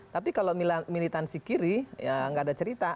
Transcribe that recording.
tapi kalau militansi kiri ya nggak ada cerita